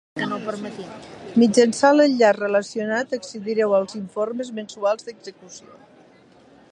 Mitjançant l'enllaç relacionat accedireu als informes mensuals d'execució.